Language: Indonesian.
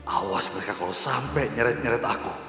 awas mereka kalau sampai nyeret nyeret aku